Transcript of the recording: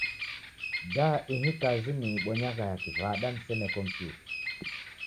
Da ihi kazi niibonyagha ya kiw'ada nisene kompiuta?